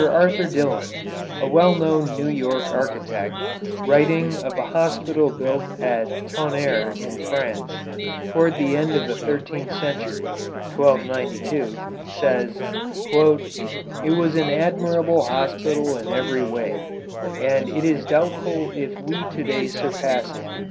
Arthur Dillon, a well known New York architect, writing of a hospital built at Tonnerre in France, toward the end of the thirteenth century (1292), says: "It was an admirable hospital in every way, and it is doubtful if we to day surpass it.